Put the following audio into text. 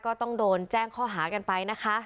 ก็ต้องโดนแจ้งข้อหากันไปนะคะ